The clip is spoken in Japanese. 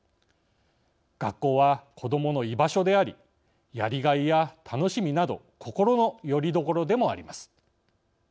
学校は子どもの居場所でありやりがいや楽しみなど心のよりどころでもあります。